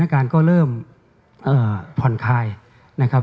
การก็เริ่มผ่อนคลายนะครับ